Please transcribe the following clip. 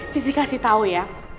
sisi kasih tau ya